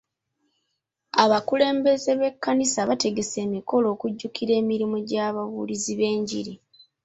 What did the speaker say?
Abakulembeze b'ekkanisa bategese emikolo okujjukira emirimu gy'ababuulizi b'enjiri.